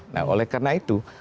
nah oleh karena itu